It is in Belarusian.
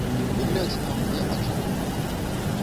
Губляць нам няма чаго.